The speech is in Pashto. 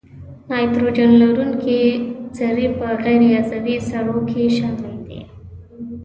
نایتروجن لرونکي سرې په غیر عضوي سرو کې شامل دي.